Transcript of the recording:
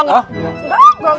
enggak enggak enggak